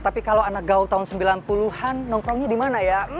tapi kalau anak gaul tahun sembilan puluh an nongkrongnya di mana ya